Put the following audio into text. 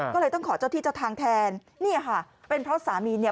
ก็เลยต้องขอเจ้าที่เจ้าทางแทนเนี่ยค่ะเป็นเพราะสามีเนี่ย